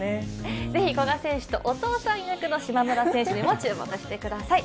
ぜひ古賀選手とお父さん役の島村選手にも注目してみてください。